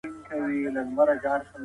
بد عمل تاوان راولي